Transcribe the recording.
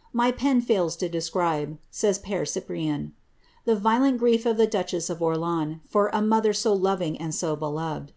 '"^ My pen fails to describe,'' says Pcre Cyprian, ^ the vioknt grief of the duchess of Orleans, for a mother so loving, and to beloved."